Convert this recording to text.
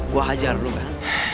gue hajar lu kan